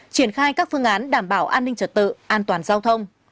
triển khai các phương án đảm bảo an ninh trật tự an toàn giao thông